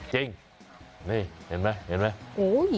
จริงนี่เห็นมั้ยเห็นมั้ย